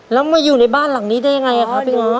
แล้วมาอยู่ในบ้านหลังนี้ได้ยังไงครับพี่ง้อ